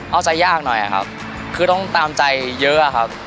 เอาใจยากหน่อยครับคือต้องตามใจเยอะครับ